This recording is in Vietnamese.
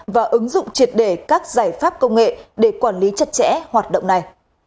và ứng dụng triệt để các giải pháp công nghệ để quản lý chặt chẽ hoạt động này